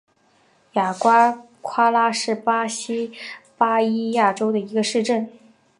雅瓜夸拉是巴西巴伊亚州的一个市镇。